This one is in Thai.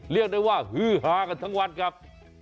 เรียกได้ว่าฮือฮากันทั้งวันครับ